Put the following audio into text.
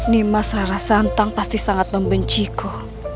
nimas rara santang pasti sangat membenciku